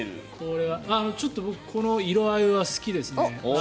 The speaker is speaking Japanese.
ちょっと僕この色合いは好きですね。